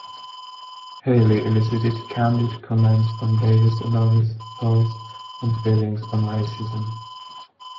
Haley elicited candid comments from Davis about his thoughts and feelings on racism.